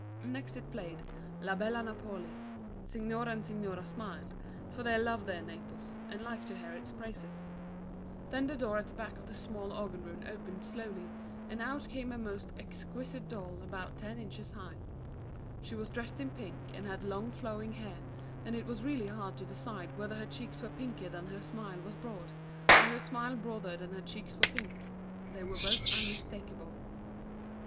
Next it played " La Bella Napoii." Signor and Signora smiled, for they loved their Naples and liked to hear its praises. PAOLO AND HIS ORGAN. PAGE Si. 79 8o Lucia, the Organ Maiden. Then the door at the back of the small organ room opened slowly, and out came a most ex quisite doll about ten inches high. She was dressed in pink and had long flowing hair, and it was really hard to decide whether her cheeks were pinker than her smile was broad, or her smile broader than her cheeks were pink — they were both unmistakable.